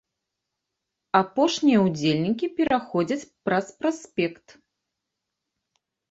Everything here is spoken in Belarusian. Апошнія ўдзельнікі пераходзяць праз праспект.